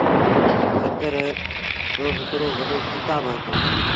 سهت روهڪڙو وڏو ڪتآب هوئيٚتو۔